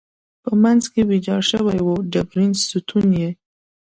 په منځ کې ویجاړ شوی و، ډبرین ستون یې.